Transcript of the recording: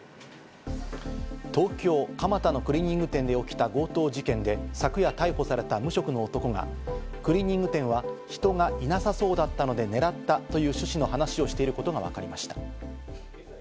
東京・蒲田のクリーニング店で起きた強盗事件で昨夜逮捕された無職の男がクリーニング店は人がいなさそうだったので、狙ったという趣旨の話をしていることがわかりました。